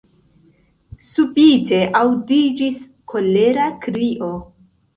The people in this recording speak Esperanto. Subite aŭdiĝis kolera krio!